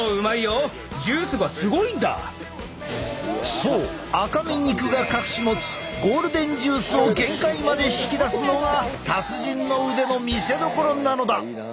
そう赤身肉が隠し持つゴールデンジュースを限界まで引き出すのが達人の腕の見せどころなのだ！